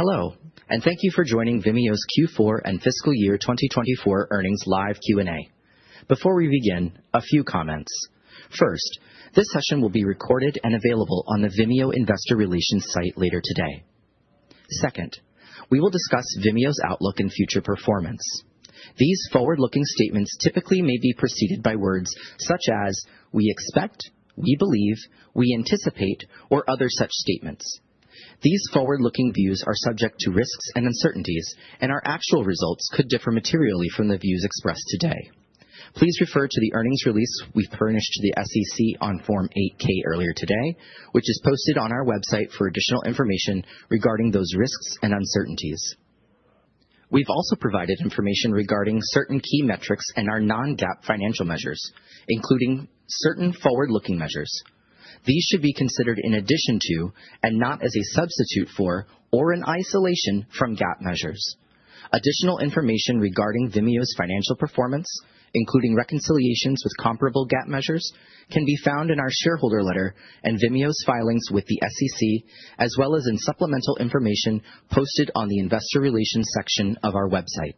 Hello, and thank you for joining Vimeo's Q4 and Fiscal Year 2024 Earnings Live Q&A. Before we begin, a few comments. First, this session will be recorded and available on the Vimeo Investor Relations site later today. Second, we will discuss Vimeo's outlook and future performance. These forward-looking statements typically may be preceded by words such as, we expect, we believe, we anticipate or other such statements. These forward-looking views are subject to risks and uncertainties, and our actual results could differ materially from the views expressed today. Please refer to the earnings release we furnished to the SEC on Form 8-K earlier today, which is posted on our website for additional information regarding those risks and uncertainties. We've also provided information regarding certain key metrics and our non-GAAP financial measures, including certain forward-looking measures. These should be considered in addition to, and not as a substitute for, or in isolation from GAAP measures. Additional information regarding Vimeo's financial performance, including reconciliations with comparable GAAP measures, can be found in our shareholder letter and Vimeo's filings with the SEC, as well as in supplemental information posted on the Investor Relations section of our website.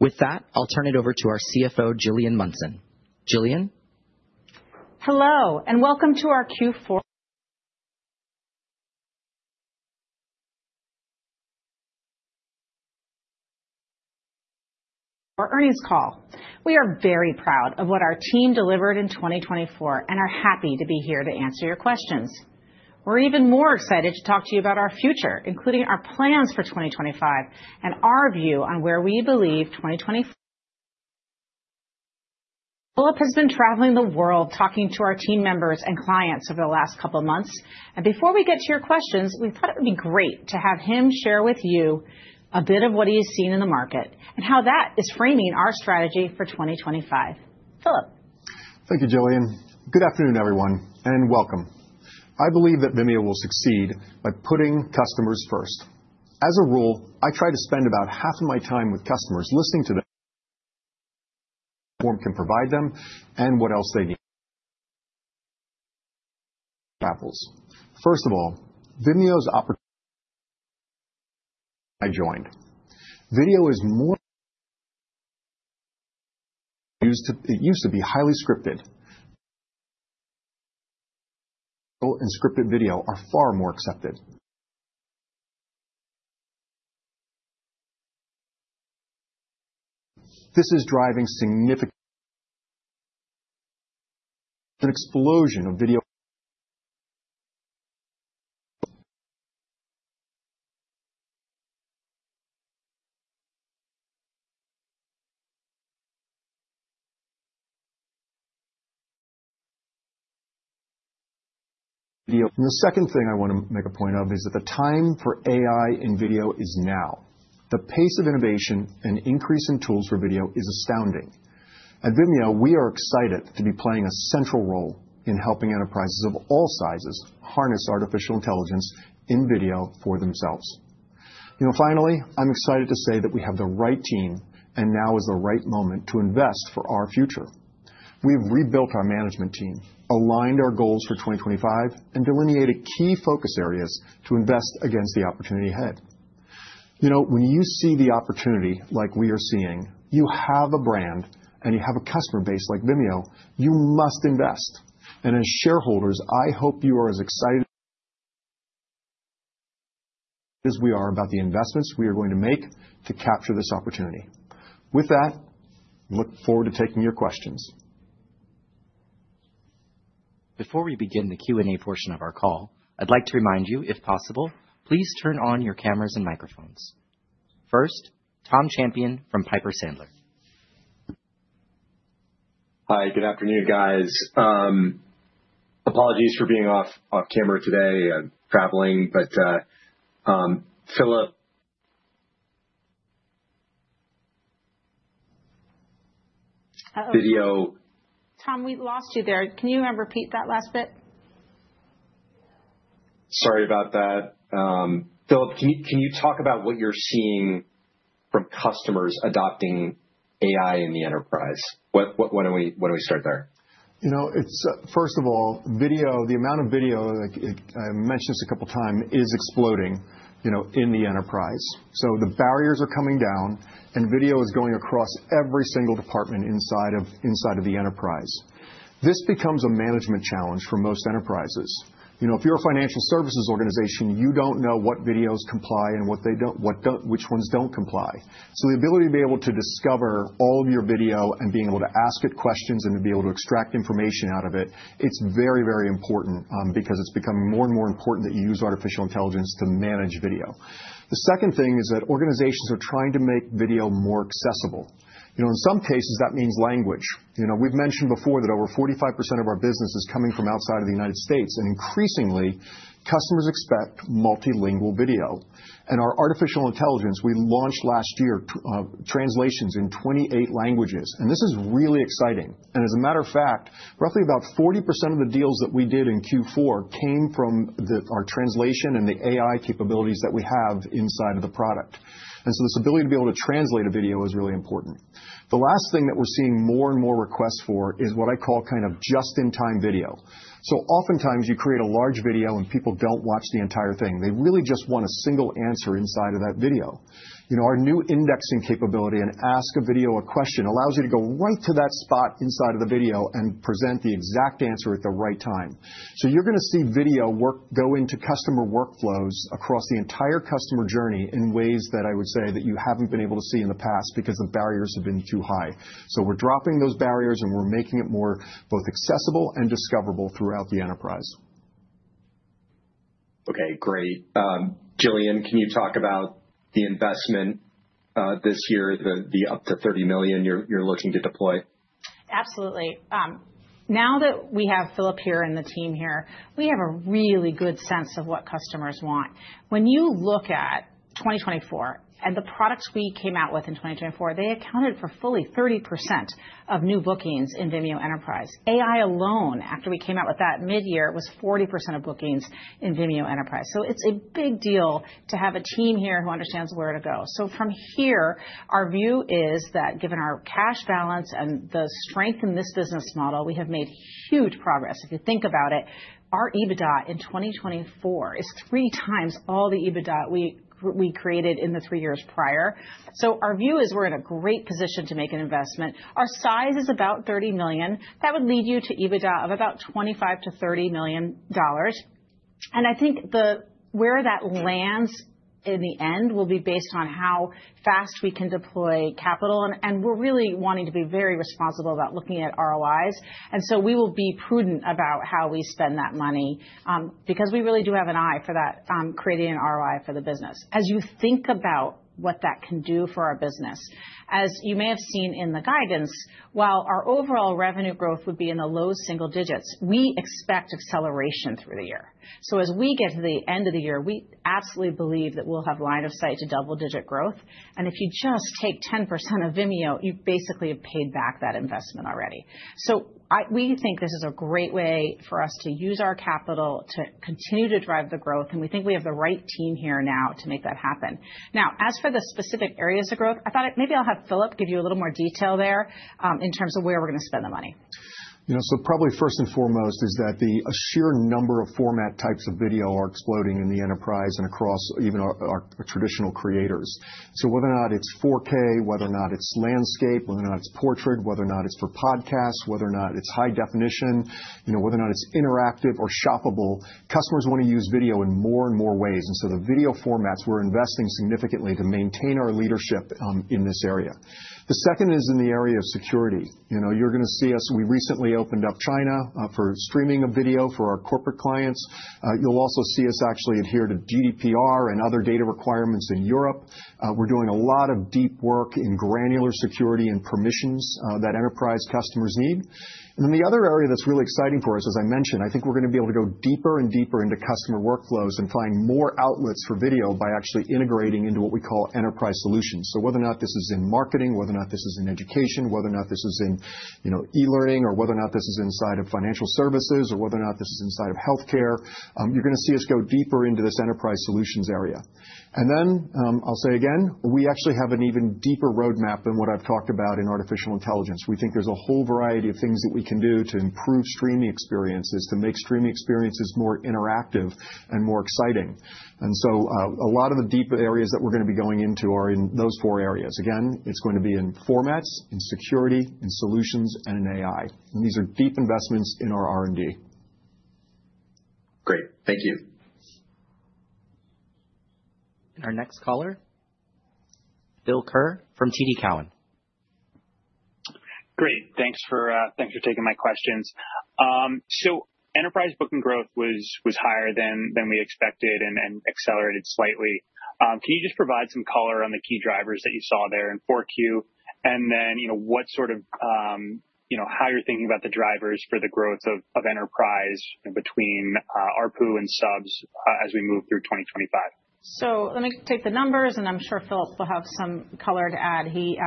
With that, I'll turn it over to our CFO, Gillian Munson. Gillian? Hello, and welcome to our Q4 earnings call. We are very proud of what our team delivered in 2024 and are happy to be here to answer your questions. We're even more excited to talk to you about our future, including our plans for 2025 and our view on where we believe 2024 has been. Philip has been traveling the world talking to our team members and clients over the last couple of months. And before we get to your questions, we thought it would be great to have him share with you a bit of what he has seen in the market and how that is framing our strategy for 2025. Philip. Thank you, Gillian. Good afternoon, everyone, and welcome. I believe that Vimeo will succeed by putting customers first. As a rule, I try to spend about half of my time with customers listening to what we can provide them and what else they need. First of all, Vimeo's opportunity joined. Video used to be highly scripted, and scripted video are far more accepted. This is driving a significant explosion of video, and the second thing I want to make a point of is that the time for AI in video is now. The pace of innovation and increase in tools for video is astounding. At Vimeo, we are excited to be playing a central role in helping enterprises of all sizes harness artificial intelligence in video for themselves. Finally, I'm excited to say that we have the right team, and now is the right moment to invest for our future. We've rebuilt our management team, aligned our goals for 2025, and delineated key focus areas to invest against the opportunity ahead. When you see the opportunity like we are seeing, you have a brand and you have a customer base like Vimeo, you must invest. And as shareholders, I hope you are as excited as we are about the investments we are going to make to capture this opportunity. With that, look forward to taking your questions. Before we begin the Q&A portion of our call, I'd like to remind you if possible, please turn on your cameras and microphones. First, Tom Champion from Piper Sandler. Hi, good afternoon, guys. Apologies for being off camera today. I'm traveling, but Philip. Hello. Vimeo. Tom, we lost you there. Can you repeat that last bit? Sorry about that. Philip, can you talk about what you're seeing from customers adopting AI in the enterprise? Why don't we start there? First of all, video, the amount of video, I mentioned this a couple of times, is exploding in the enterprise. So the barriers are coming down, and video is going across every single department inside of the enterprise. This becomes a management challenge for most enterprises. If you're a financial services organization, you don't know what videos comply and which ones don't comply. So the ability to be able to discover all of your video and being able to ask it questions and to be able to extract information out of it, it's very, very important because it's becoming more and more important that you use artificial intelligence to manage video. The second thing is that organizations are trying to make video more accessible. In some cases, that means language. We've mentioned before that over 45% of our business is coming from outside of the United States, and increasingly, customers expect multilingual video. And our artificial intelligence, we launched last year translations in 28 languages, and this is really exciting. And as a matter of fact, roughly about 40% of the deals that we did in Q4 came from our translation and the AI capabilities that we have inside of the product. And so this ability to be able to translate a video is really important. The last thing that we're seeing more and more requests for is what I call kind of just-in-time video. So oftentimes you create a large video and people don't watch the entire thing. They really just want a single answer inside of that video. Our new indexing capability and ask a video a question allows you to go right to that spot inside of the video and present the exact answer at the right time. So you're going to see video go into customer workflows across the entire customer journey in ways that I would say that you haven't been able to see in the past because the barriers have been too high. So we're dropping those barriers and we're making it more both accessible and discoverable throughout the enterprise. Okay, great. Gillian, can you talk about the investment this year, the up to $30 million you're looking to deploy? Absolutely. Now that we have Philip here and the team here, we have a really good sense of what customers want. When you look at 2024 and the products we came out with in 2024, they accounted for fully 30% of new bookings in Vimeo Enterprise. AI alone, after we came out with that mid-year, was 40% of bookings in Vimeo Enterprise. So it's a big deal to have a team here who understands where to go. So from here, our view is that given our cash balance and the strength in this business model, we have made huge progress. If you think about it, our EBITDA in 2024 is three times all the EBITDA we created in the three years prior. So our view is we're in a great position to make an investment. Our size is about $30 million. That would lead you to EBITDA of about $25 million-$30 million. And I think where that lands in the end will be based on how fast we can deploy capital. And we're really wanting to be very responsible about looking at ROIs. And so we will be prudent about how we spend that money because we really do have an eye for that, creating an ROI for the business. As you think about what that can do for our business, as you may have seen in the guidance, while our overall revenue growth would be in the low single digits, we expect acceleration through the year. So as we get to the end of the year, we absolutely believe that we'll have line of sight to double-digit growth. And if you just take 10% of Vimeo, you basically have paid back that investment already. So we think this is a great way for us to use our capital to continue to drive the growth, and we think we have the right team here now to make that happen. Now, as for the specific areas of growth, I thought maybe I'll have Philip give you a little more detail there in terms of where we're going to spend the money. Probably first and foremost is that the sheer number of format types of video are exploding in the enterprise and across even our traditional creators. So whether or not it's 4K, whether or not it's landscape, whether or not it's portrait, whether or not it's for podcasts, whether or not it's high definition, whether or not it's interactive or shoppable, customers want to use video in more and more ways. And so the video formats, we're investing significantly to maintain our leadership in this area. The second is in the area of security. You're going to see us. We recently opened up China for streaming of video for our corporate clients. You'll also see us actually adhere to GDPR and other data requirements in Europe. We're doing a lot of deep work in granular security and permissions that enterprise customers need. And then the other area that's really exciting for us, as I mentioned, I think we're going to be able to go deeper and deeper into customer workflows and find more outlets for video by actually integrating into what we call enterprise solutions. So whether or not this is in marketing, whether or not this is in education, whether or not this is in e-learning, or whether or not this is inside of financial services, or whether or not this is inside of healthcare, you're going to see us go deeper into this enterprise solutions area. And then I'll say again, we actually have an even deeper roadmap than what I've talked about in artificial intelligence. We think there's a whole variety of things that we can do to improve streaming experiences, to make streaming experiences more interactive and more exciting. And so a lot of the deeper areas that we're going to be going into are in those four areas. Again, it's going to be in formats, in security, in solutions, and in AI. And these are deep investments in our R&D. Great. Thank you. Our next caller, Bill Kerr from TD Cowen. Great. Thanks for taking my questions. So enterprise booking growth was higher than we expected and accelerated slightly. Can you just provide some color on the key drivers that you saw there in 4Q and then what sort of how you're thinking about the drivers for the growth of enterprise between ARPU and subs as we move through 2025? So let me take the numbers, and I'm sure Philip will have some color to add. He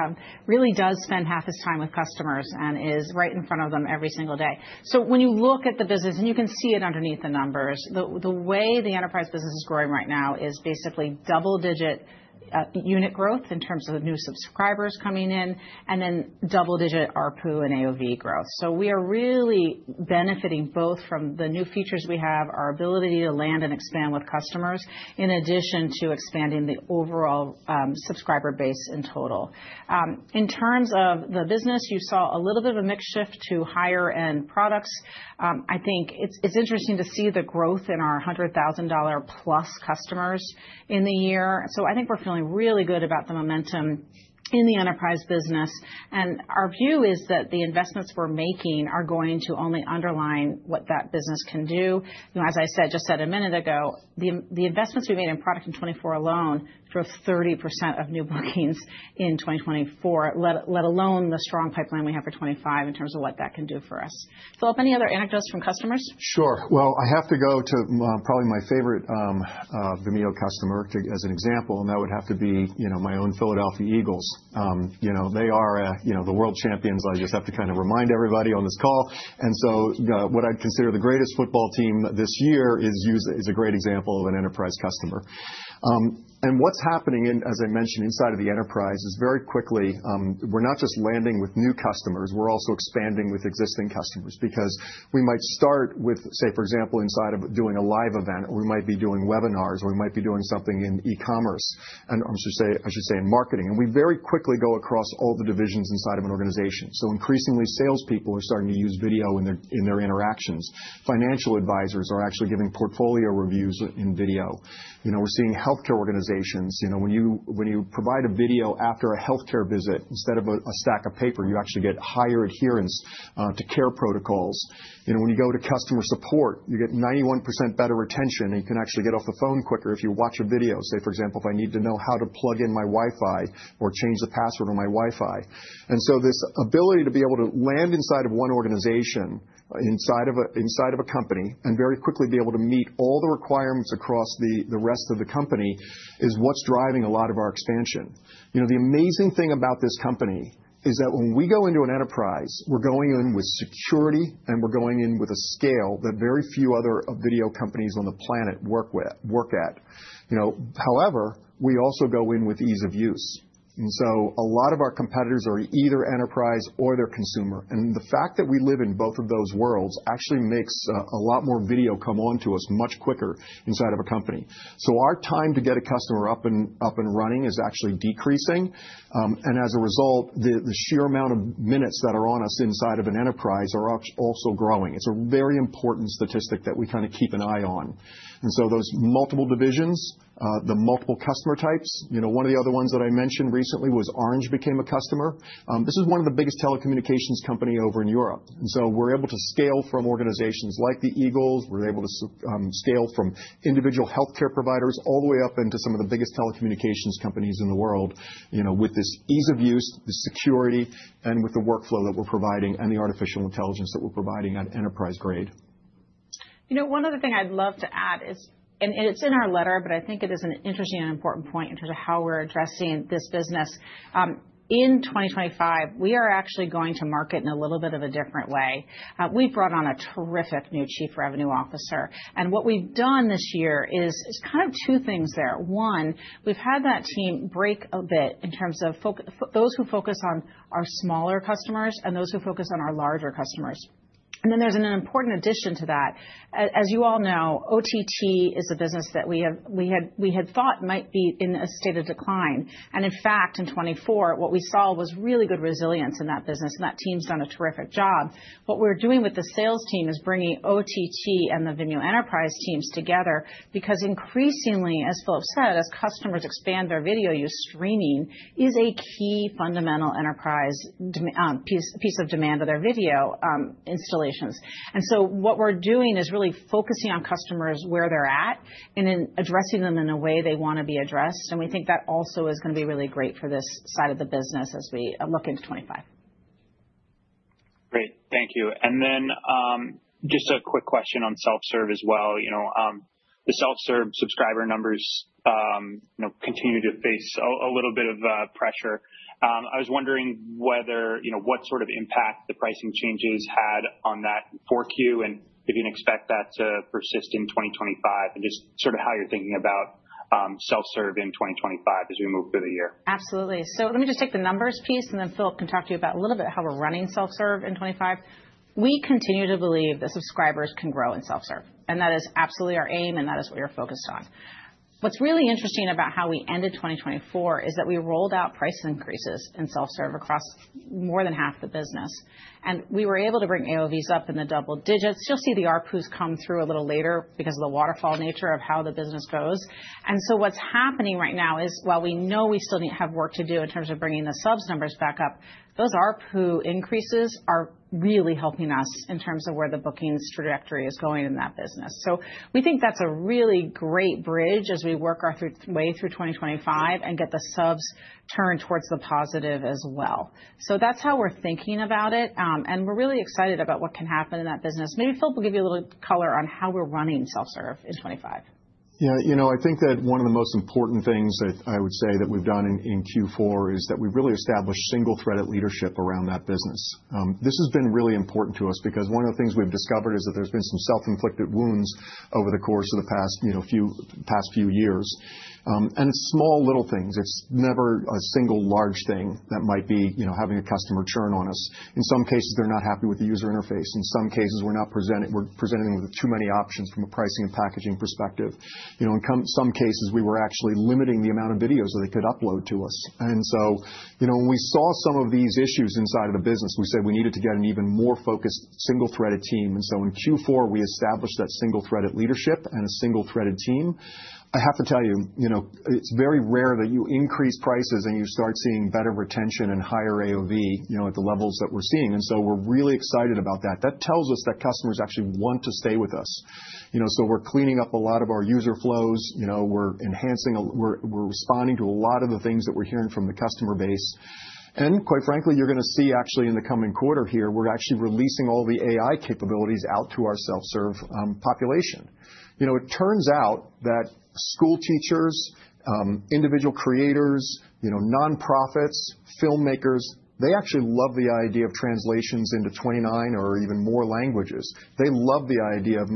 really does spend half his time with customers and is right in front of them every single day. So when you look at the business, and you can see it underneath the numbers, the way the enterprise business is growing right now is basically double-digit unit growth in terms of new subscribers coming in and then double-digit ARPU and AOV growth. So we are really benefiting both from the new features we have, our ability to land and expand with customers, in addition to expanding the overall subscriber base in total. In terms of the business, you saw a little bit of a mix shift to higher-end products. I think it's interesting to see the growth in our $100,000 plus customers in the year. So I think we're feeling really good about the momentum in the enterprise business. And our view is that the investments we're making are going to only underline what that business can do. As I said just a minute ago, the investments we made in product in 2024 alone drove 30% of new bookings in 2024, let alone the strong pipeline we have for 2025 in terms of what that can do for us. Philip, any other anecdotes from customers? Sure. Well, I have to go to probably my favorite Vimeo customer as an example, and that would have to be my own Philadelphia Eagles. They are the world champions. I just have to kind of remind everybody on this call. And so what I'd consider the greatest football team this year is a great example of an enterprise customer. And what's happening, as I mentioned, inside of the enterprise is very quickly, we're not just landing with new customers, we're also expanding with existing customers because we might start with, say, for example, inside of doing a live event, or we might be doing webinars, or we might be doing something in e-commerce, I should say, in marketing. And we very quickly go across all the divisions inside of an organization. So increasingly, salespeople are starting to use video in their interactions. Financial advisors are actually giving portfolio reviews in video. We're seeing healthcare organizations. When you provide a video after a healthcare visit, instead of a stack of paper, you actually get higher adherence to care protocols. When you go to customer support, you get 91% better retention, and you can actually get off the phone quicker if you watch a video. Say, for example, if I need to know how to plug in my Wi-Fi or change the password on my Wi-Fi, and so this ability to be able to land inside of one organization, inside of a company, and very quickly be able to meet all the requirements across the rest of the company is what's driving a lot of our expansion. The amazing thing about this company is that when we go into an enterprise, we're going in with security, and we're going in with a scale that very few other video companies on the planet work at. However, we also go in with ease of use, and so a lot of our competitors are either enterprise or they're consumer, and the fact that we live in both of those worlds actually makes a lot more video come on to us much quicker inside of a company, so our time to get a customer up and running is actually decreasing, and as a result, the sheer amount of minutes that are on us inside of an enterprise are also growing. It's a very important statistic that we kind of keep an eye on. And so those multiple divisions, the multiple customer types, one of the other ones that I mentioned recently was Orange became a customer. This is one of the biggest telecommunications companies over in Europe. And so we're able to scale from organizations like the Eagles. We're able to scale from individual healthcare providers all the way up into some of the biggest telecommunications companies in the world with this ease of use, the security, and with the workflow that we're providing and the artificial intelligence that we're providing at enterprise grade. You know. One other thing I'd love to add is, and it's in our letter, but I think it is an interesting and important point in terms of how we're addressing this business. In 2025, we are actually going to market in a little bit of a different way. We've brought on a terrific new Chief Revenue Officer, and what we've done this year is kind of two things there. One, we've had that team break a bit in terms of those who focus on our smaller customers and those who focus on our larger customers, and then there's an important addition to that. As you all know, OTT is a business that we had thought might be in a state of decline. And in fact, in 2024, what we saw was really good resilience in that business, and that team's done a terrific job. What we're doing with the sales team is bringing OTT and the Vimeo Enterprise teams together because increasingly, as Philip said, as customers expand their video use, streaming is a key fundamental piece of demand of their video installations. And so what we're doing is really focusing on customers where they're at and addressing them in a way they want to be addressed. And we think that also is going to be really great for this side of the business as we look into 2025. Great. Thank you. And then just a quick question on self-serve as well. The self-serve subscriber numbers continue to face a little bit of pressure. I was wondering what sort of impact the pricing changes had on that 4Q and if you can expect that to persist in 2025 and just sort of how you're thinking about self-serve in 2025 as we move through the year? Absolutely, so let me just take the numbers piece and then Philip can talk to you about a little bit how we're running self-serve in 2025. We continue to believe that subscribers can grow in self-serve, and that is absolutely our aim, and that is what we are focused on. What's really interesting about how we ended 2024 is that we rolled out price increases in self-serve across more than half the business, and we were able to bring AOVs up in the double digits. You'll see the ARPUs come through a little later because of the waterfall nature of how the business goes, and so what's happening right now is, while we know we still have work to do in terms of bringing the subs numbers back up, those ARPU increases are really helping us in terms of where the bookings trajectory is going in that business. So we think that's a really great bridge as we work our way through 2025 and get the subs turned towards the positive as well. So that's how we're thinking about it. And we're really excited about what can happen in that business. Maybe Philip will give you a little color on how we're running self-serve in 2025. Yeah. You know, I think that one of the most important things I would say that we've done in Q4 is that we've really established single-threaded leadership around that business. This has been really important to us because one of the things we've discovered is that there's been some self-inflicted wounds over the course of the past few years. And it's small little things. It's never a single large thing that might be having a customer churn on us. In some cases, they're not happy with the user interface. In some cases, we're presenting them with too many options from a pricing and packaging perspective. In some cases, we were actually limiting the amount of videos that they could upload to us. And so when we saw some of these issues inside of the business, we said we needed to get an even more focused single-threaded team. And so in Q4, we established that single-threaded leadership and a single-threaded team. I have to tell you, it's very rare that you increase prices and you start seeing better retention and higher AOV at the levels that we're seeing. And so we're really excited about that. That tells us that customers actually want to stay with us. So we're cleaning up a lot of our user flows. We're responding to a lot of the things that we're hearing from the customer base. And quite frankly, you're going to see actually in the coming quarter here, we're actually releasing all the AI capabilities out to our self-serve population. It turns out that school teachers, individual creators, nonprofits, filmmakers, they actually love the idea of translations into 29 or even more languages. They love the idea of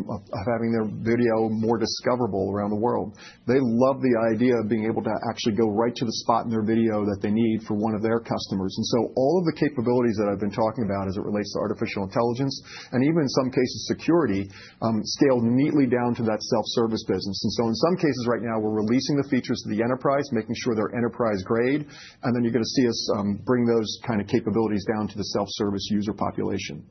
having their video more discoverable around the world. They love the idea of being able to actually go right to the spot in their video that they need for one of their customers. And so all of the capabilities that I've been talking about as it relates to artificial intelligence and even in some cases security scaled neatly down to that self-service business. And so in some cases right now, we're releasing the features to the enterprise, making sure they're enterprise grade. And then you're going to see us bring those kind of capabilities down to the self-service user population.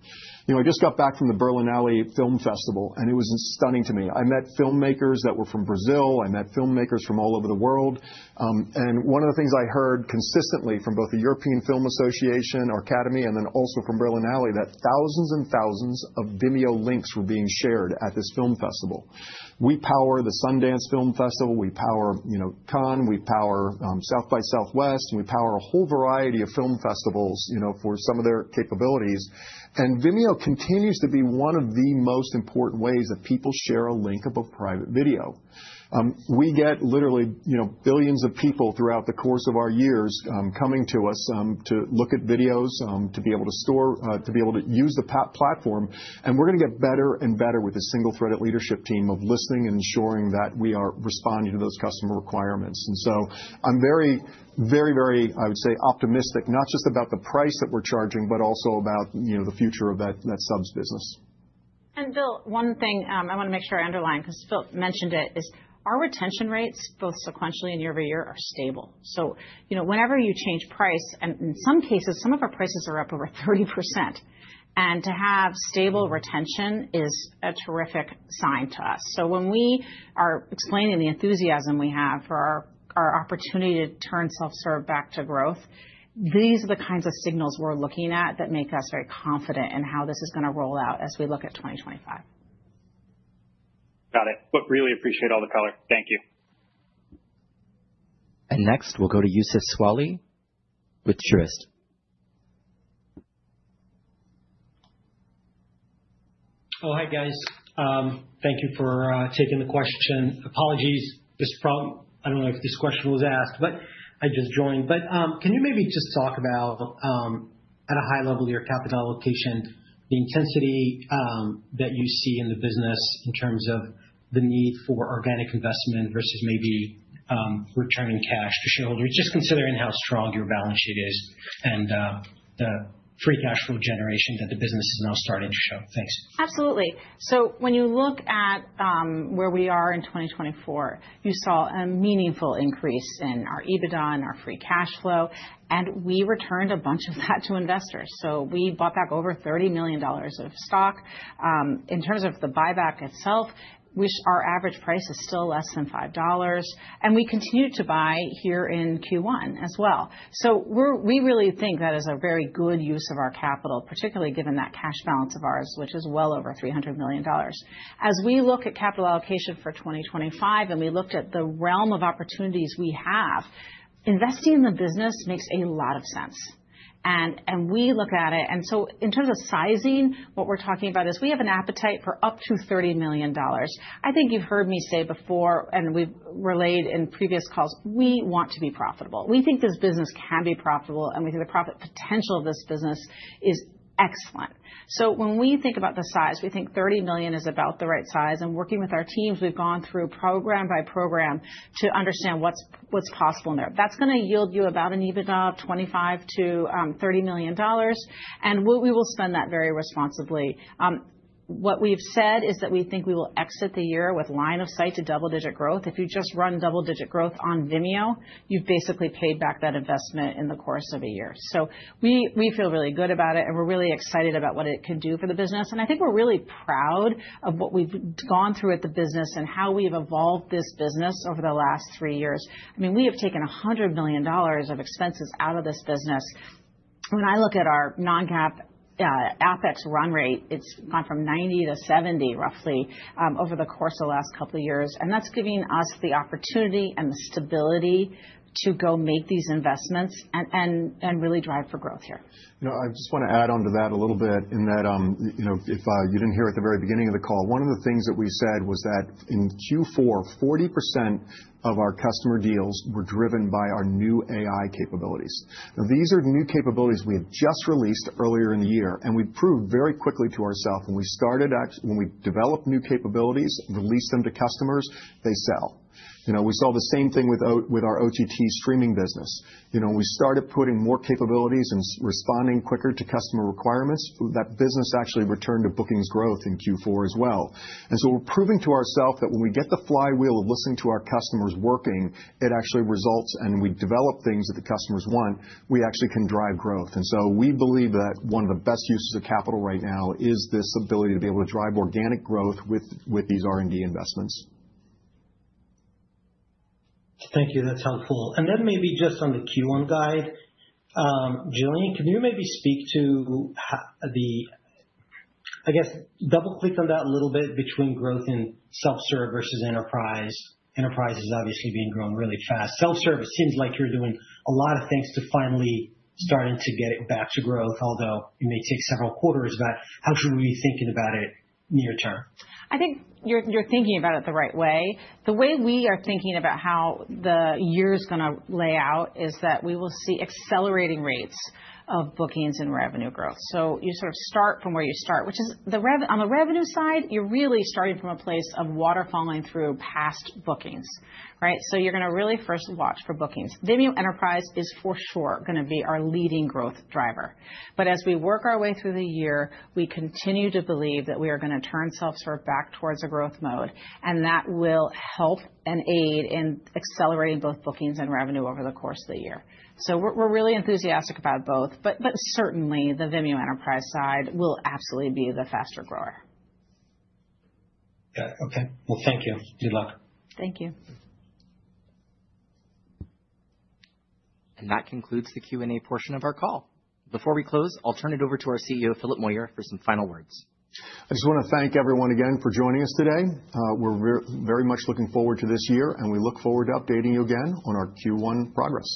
I just got back from the Berlinale Film Festival, and it was stunning to me. I met filmmakers that were from Brazil. I met filmmakers from all over the world. One of the things I heard consistently from both the European Film Association or Academy and then also from Berlinale, that thousands and thousands of Vimeo links were being shared at this film festival. We power the Sundance Film Festival. We power Cannes. We power South by Southwest. We power a whole variety of film festivals for some of their capabilities. And Vimeo continues to be one of the most important ways that people share a link above private video. We get literally billions of people throughout the course of our years coming to us to look at videos, to be able to store, to be able to use the platform. And we're going to get better and better with a single-threaded leadership team of listening and ensuring that we are responding to those customer requirements. I'm very, very, very, I would say, optimistic, not just about the price that we're charging, but also about the future of that subs business. And Bill, one thing I want to make sure I underline because Philip mentioned it is our retention rates, both sequentially and year over year, are stable. So whenever you change price, and in some cases, some of our prices are up over 30%. And to have stable retention is a terrific sign to us. So when we are explaining the enthusiasm we have for our opportunity to turn self-serve back to growth, these are the kinds of signals we're looking at that make us very confident in how this is going to roll out as we look at 2025. Got it. But I really appreciate all the color. Thank you. Next, we'll go to Youssef Squali with Truist. Oh, hi guys. Thank you for taking the question. Apologies. I don't know if this question was asked, but I just joined. But can you maybe just talk about, at a high level, your capital allocation, the intensity that you see in the business in terms of the need for organic investment versus maybe returning cash to shareholders, just considering how strong your balance sheet is and the free cash flow generation that the business is now starting to show? Thanks. Absolutely. So when you look at where we are in 2024, you saw a meaningful increase in our EBITDA and our free cash flow, and we returned a bunch of that to investors. So we bought back over $30 million of stock. In terms of the buyback itself, our average price is still less than $5. And we continued to buy here in Q1 as well. So we really think that is a very good use of our capital, particularly given that cash balance of ours, which is well over $300 million. As we look at capital allocation for 2025 and we looked at the realm of opportunities we have, investing in the business makes a lot of sense. And we look at it. And so in terms of sizing, what we're talking about is we have an appetite for up to $30 million. I think you've heard me say before, and we've relayed in previous calls, we want to be profitable. We think this business can be profitable, and we think the profit potential of this business is excellent. So when we think about the size, we think $30 million is about the right size. And working with our teams, we've gone through program by program to understand what's possible in there. That's going to yield you about an EBITDA of $25-$30 million. And we will spend that very responsibly. What we've said is that we think we will exit the year with line of sight to double-digit growth. If you just run double-digit growth on Vimeo, you've basically paid back that investment in the course of a year. So we feel really good about it, and we're really excited about what it can do for the business. And I think we're really proud of what we've gone through at the business and how we've evolved this business over the last three years. I mean, we have taken $100 million of expenses out of this business. When I look at our non-CapEx run rate, it's gone from 90 to 70 roughly over the course of the last couple of years. And that's giving us the opportunity and the stability to go make these investments and really drive for growth here. I just want to add on to that a little bit in that if you didn't hear at the very beginning of the call, one of the things that we said was that in Q4, 40% of our customer deals were driven by our new AI capabilities. Now, these are new capabilities we had just released earlier in the year. And we proved very quickly to ourselves when we started, when we developed new capabilities, released them to customers, they sell. We saw the same thing with our OTT streaming business. When we started putting more capabilities and responding quicker to customer requirements, that business actually returned to bookings growth in Q4 as well. And so we're proving to ourselves that when we get the flywheel of listening to our customers working, it actually results, and we develop things that the customers want, we actually can drive growth. And so we believe that one of the best uses of capital right now is this ability to be able to drive organic growth with these R&D investments. Thank you. That's helpful. And then maybe just on the Q1 guide, Gillian, can you maybe speak to the, I guess, double-click on that a little bit between growth in self-serve versus enterprise? Enterprise is obviously being grown really fast. Self-serve seems like you're doing a lot of things to finally starting to get it back to growth, although it may take several quarters. But how should we be thinking about it near term? I think you're thinking about it the right way. The way we are thinking about how the year is going to play out is that we will see accelerating rates of bookings and revenue growth. So you sort of start from where you start, which is on the revenue side, you're really starting from a place of waterfalling through past bookings. So you're going to really first watch for bookings. Vimeo Enterprise is for sure going to be our leading growth driver. But as we work our way through the year, we continue to believe that we are going to turn self-serve back towards a growth mode. And that will help and aid in accelerating both bookings and revenue over the course of the year. So we're really enthusiastic about both. But certainly, the Vimeo Enterprise side will absolutely be the faster grower. Okay. Well, thank you. Good luck. Thank you. That concludes the Q&A portion of our call. Before we close, I'll turn it over to our CEO, Philip Moyer, for some final words. I just want to thank everyone again for joining us today. We're very much looking forward to this year, and we look forward to updating you again on our Q1 progress.